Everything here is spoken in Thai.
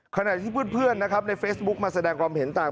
ขณะที่เพื่อนนะครับในเฟซบุ๊กมาแสดงความเห็นต่าง